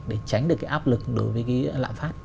để tránh được cái áp lực đối với cái lạm phát